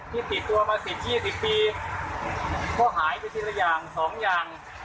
ที่ติดตัวมาสิบยี่สิบปีเพราะหายไปทีละอย่างสองอย่างเอ่อ